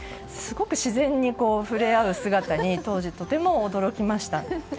すごく自然に触れ合う姿に当時、とても驚きました。